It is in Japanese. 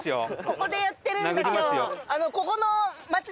ここでやってるんだ今日。